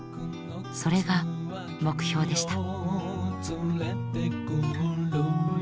それが目標でした。